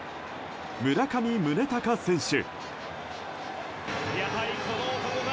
村上宗隆選手。